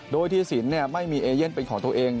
โดยที่สินไม่มีเอเย่นเป็นของตัวเอง